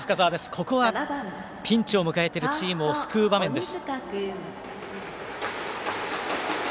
ここはピンチを迎えているチームを救う場面です。